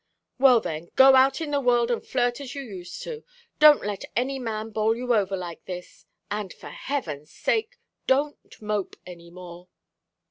"Well, then, go out in the world and flirt as you used to. Don't let any man bowl you over like this; and, for Heaven's sake, don't mope any more!"